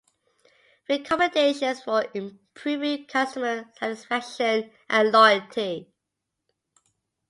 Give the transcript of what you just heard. Recommendations for improving customer satisfaction and loyalty